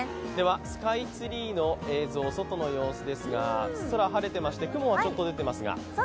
スカイツリー、外の映像ですが、空、晴れていまして雲はちょっと出ていますが。